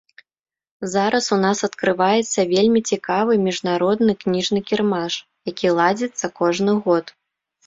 Зараз у нас адкрываецца вельмі цікавы міжнародны кніжны кірмаш, які ладзіцца кожны год.